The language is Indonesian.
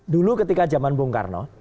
dulu ketika zaman bung karno